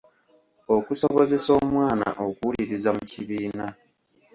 Okusobozesa omwana okuwuliriza mu kibiina.